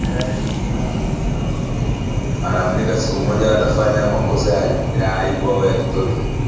Anaaminika siku mmoja atafanya makosa ya aibu au ya kitoto